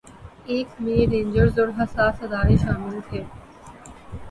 ایک میں رینجرز اور حساس ادارے شامل تھے